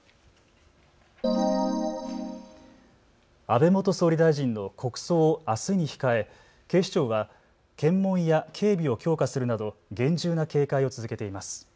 安倍元総理大臣の国葬をあすに控え、警視庁は検問や警備を強化するなど厳重な警戒を続けています。